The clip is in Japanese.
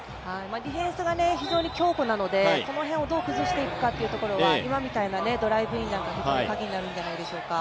ディフェンスが非常に強固なので、ここをどう崩していくかというのは今みたいなドライブインなんかが非常にカギになるんじゃないでしょうか。